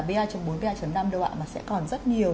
vr năm đâu ạ mà sẽ còn rất nhiều